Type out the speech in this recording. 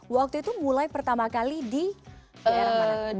waktu itu mulai pertama kali di daerah mana